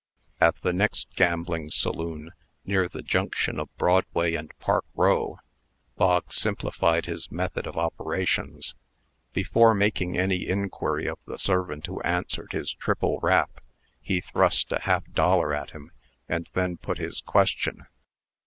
At the next gambling saloon, near the junction of Broadway and Park Row, Bog simplified his method of operations. Before making any inquiry of the servant who answered his triple rap, he thrust a half dollar at him, and then put his question.